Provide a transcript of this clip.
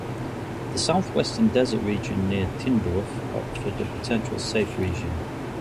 The south-western desert region near Tindouf offered a potential safe region.